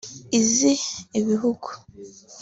iz’ibihugu